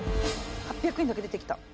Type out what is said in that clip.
８００円だけ出てきた。